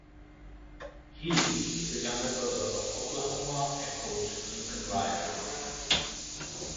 He is the younger brother of Oklahoma head coach Lincoln Riley.